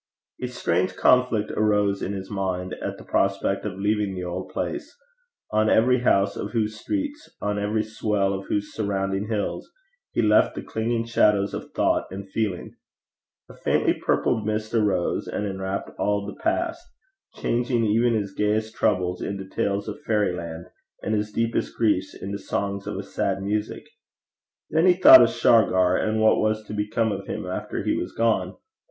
A strange conflict arose in his mind at the prospect of leaving the old place, on every house of whose streets, on every swell of whose surrounding hills he left the clinging shadows of thought and feeling. A faintly purpled mist arose, and enwrapped all the past, changing even his grayest troubles into tales of fairyland, and his deepest griefs into songs of a sad music. Then he thought of Shargar, and what was to become of him after he was gone.